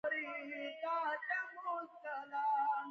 ډګروال په جرمني ژبه پوهېده او سګرټ یې کېښود